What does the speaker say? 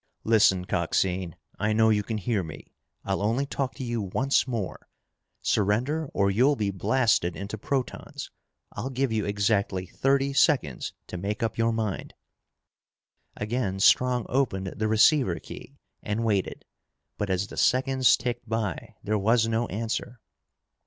"Listen, Coxine! I know you can hear me! I'll only talk to you once more! Surrender or you'll be blasted into protons! I'll give you exactly thirty seconds to make up your mind!" Again Strong opened the receiver key and waited, but as the seconds ticked by, there was no answer.